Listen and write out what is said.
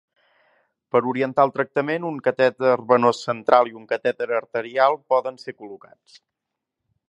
Per orientar el tractament, un catèter venós central i un catèter arterial poden ser col·locats.